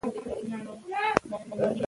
موږ له کلونو راهیسې د سولې لپاره کار کوو.